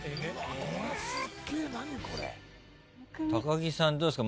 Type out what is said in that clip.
木さんどうですか？